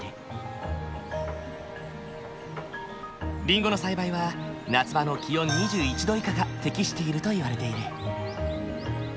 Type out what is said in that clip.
りんごの栽培は夏場の気温２１度以下が適しているといわれている。